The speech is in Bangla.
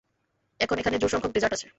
এখন এখানে জোড় সংখ্যক ডেজার্ট আছে!